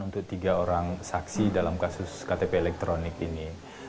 untuk tiga orang saksi dalam kasus ktp elektronik ini